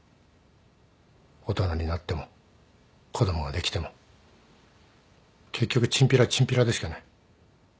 大人になっても子供ができても結局チンピラはチンピラでしかない。